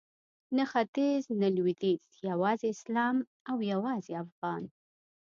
نه ختیځ نه لویدیځ یوازې اسلام او یوازې افغان